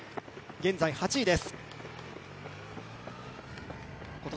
現在８位です。